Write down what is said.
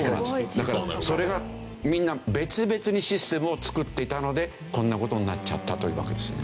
だからそれがみんな別々にシステムを作っていたのでこんな事になっちゃったというわけですね。